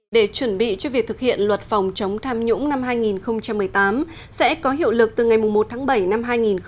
để chuẩn bị cho việc thực hiện luật phòng chống tham nhũng năm hai nghìn một mươi tám sẽ có hiệu lực từ ngày một tháng bảy năm hai nghìn một mươi chín